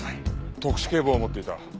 特殊警棒を持っていた。